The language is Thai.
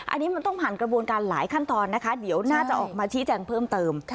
อันนี้มันต้องผ่านกระบวนการหลายขั้นตอนนะคะเดี๋ยวน่าจะออกมาชี้แจงเพิ่มเติม